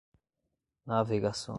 navegação